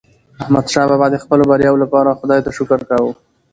احمدشاه بابا د خپلو بریاوو لپاره خداي ته شکر کاوه.